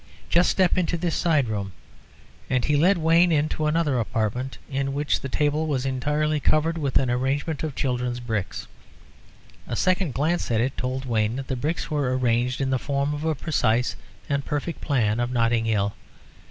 "Just step into this side room;" and he led Wayne into another apartment, in which the table was entirely covered with an arrangement of children's bricks. A second glance at it told Wayne that the bricks were arranged in the form of a precise and perfect plan of Notting Hill.